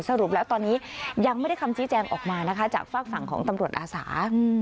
สรุปแล้วตอนนี้ยังไม่ได้คำชี้แจงออกมานะคะจากฝากฝั่งของตำรวจอาสา